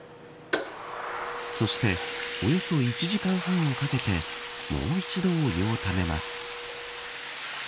そして、およそ１時間半をかけてもう一度、お湯をためます。